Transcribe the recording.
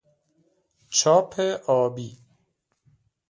چاپ آبی